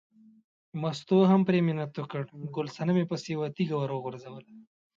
مستو هم پرې منت وکړ، ګل صنمې پسې یوه تیږه ور وغورځوله.